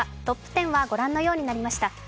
トップ１０は御覧のようになりました。